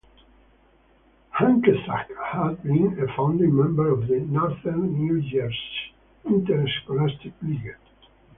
Hackensack had been a founding member of the Northern New Jersey Interscholastic League.